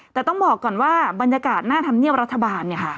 แต่ต้องบอกก่อนว่าบรรยากาศหน้าธรรมเนียบรัฐบาลเนี่ยค่ะ